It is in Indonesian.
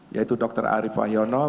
yaitu dokter arief wahyono